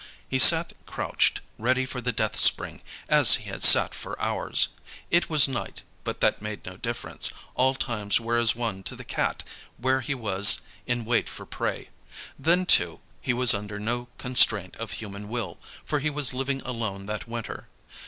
He sat crouched, ready for the death spring, as he had sat for hours. It was night but that made no difference all times were as one to the Cat when he was in wait for prey. Then, too, he was under no constraint of human will, for he was living alone that winter.